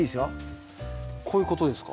こういうことですか？